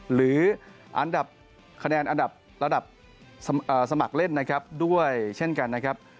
หรือคะแนนระดับสมัครเล่นนะครับด้วยเช่นกันนะครับ